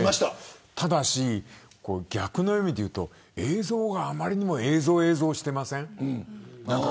ただし逆の意味で言うと映像が余りにも映像映像していませんか。